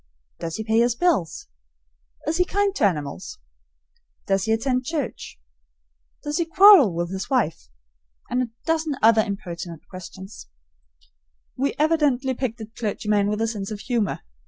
Does he pay his bills? Is he kind to animals? Does he attend church? Does he quarrel with his wife? And a dozen other impertinent questions. We evidently picked a clergyman with a sense of humor.